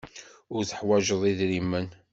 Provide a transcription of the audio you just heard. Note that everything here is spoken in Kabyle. Ur teḥwajeḍ idrimen.